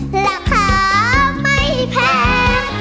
ราคาไม่แพง